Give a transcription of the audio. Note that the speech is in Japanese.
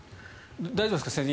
大丈夫ですか先生